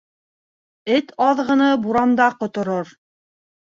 Эт аҙғыны буранда ҡоторор